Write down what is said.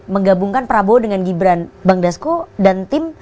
menggabungkan prabowo dengan gibran bangdasko dan tim